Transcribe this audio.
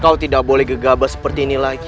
kau tidak boleh gegabah seperti ini lagi